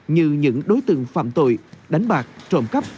như những đối tượng phạm tội đánh bạc trộm cắp